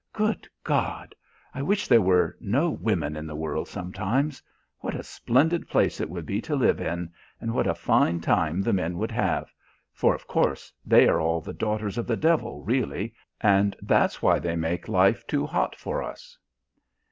Good God! I wish there were no women in the world sometimes. What a splendid place it would be to live in, and what a fine time the men would have for, of course, they are all the daughters of the devil really, and that's why they make life too hot for us."